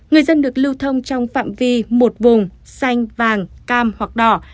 người dân được lưu thông trong phạm vi một vùng xanh vàng cam hoặc đỏ